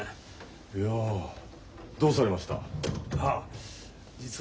いやどうされました？